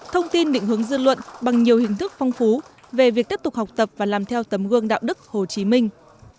thông tin định hướng dư luận bằng nhiều hình thức phong phú về việc tiếp tục học tập và làm theo tấm gương đạo đức hồ chí minh